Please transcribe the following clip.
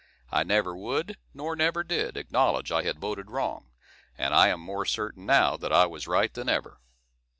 I never would, nor never did, acknowledge I had voted wrong; and I am more certain now that I was right than ever.